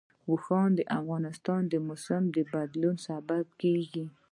اوښ د افغانستان د موسم د بدلون سبب کېږي.